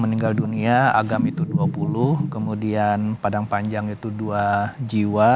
meninggal dunia agam itu dua puluh kemudian padang panjang itu dua jiwa